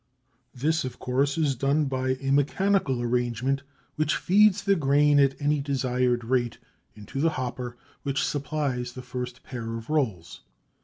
This of course is done by a mechanical arrangement which feeds the grain at any desired rate into the hopper which supplies the first pair of rolls.